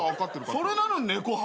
それなのに猫派？